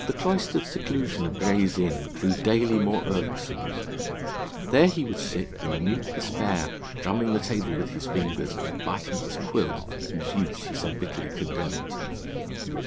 The cloistered seclusion of Gray's Inn grew daily more irksome. There he would sit, in mute despair, drumming the table with his fingers, and biting the quill, whose use he so bitterly contemned.